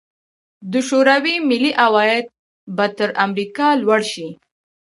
د شوروي ملي عواید به تر امریکا لوړ شي.